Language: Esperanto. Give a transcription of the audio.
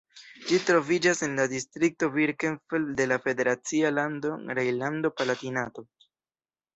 Ĝi troviĝas en la distrikto Birkenfeld de la federacia lando Rejnlando-Palatinato.